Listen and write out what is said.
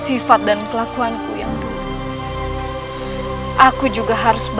apakah mereka orang suruhanan gabuasa